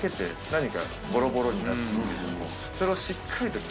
それをしっかりと。